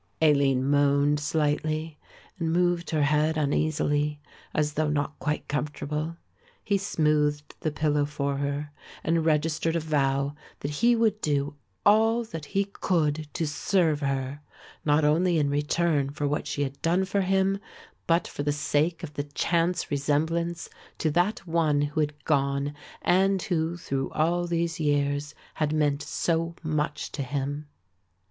Aline moaned slightly and moved her head uneasily as though not quite comfortable. He smoothed the pillow for her and registered a vow that he would do all that he could to serve her, not only in return for what she had done for him, but for the sake of the chance resemblance to that one who had gone and who through all these years had meant so much to him.